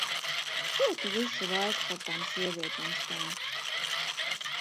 Ko tu visu laiku par tām sievietēm, Sten?